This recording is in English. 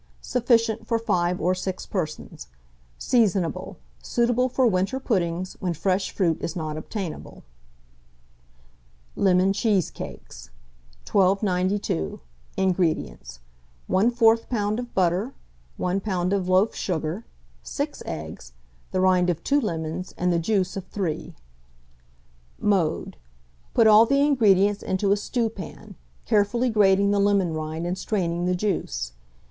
Sufficient for 5 or 6 persons. Seasonable. Suitable for winter puddings, when fresh fruit is not obtainable. LEMON CHEESECAKES. 1292. INGREDIENTS. 1/4 lb. of butter, 1 lb. of loaf sugar, 6 eggs, the rind of 2 lemons and the juice of 3. Mode. Put all the ingredients into a stewpan, carefully grating the lemon rind and straining the juice.